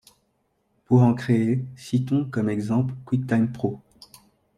Pour en créer, citons comme exemple, QuickTime Pro.